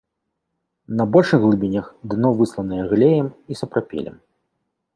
На большых глыбінях дно высланае глеем і сапрапелем.